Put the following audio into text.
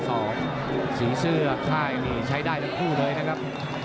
สีเสื้อค่ายนี่ใช้ได้ทั้งคู่เลยนะครับ